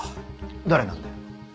誰なんだよ？